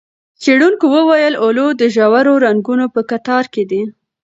څېړونکو وویل، اولو د ژورو رنګونو په کتار کې دی.